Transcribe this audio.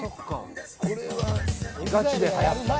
これはガチではやったね。